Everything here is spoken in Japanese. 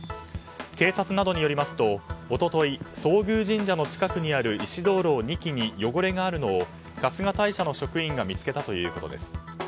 警察などによりますと一昨日、総宮神社の近くにある石灯籠２基に汚れがあるのを春日大社の職員が見つけたということです。